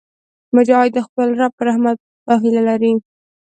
مجاهد د خپل رب په رحمت هیله لري.